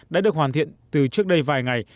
đã được hoàn thiện từ trước đây vài ngày